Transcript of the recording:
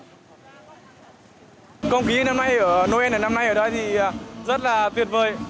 không khí noel năm nay ở đó thì rất là tuyệt vời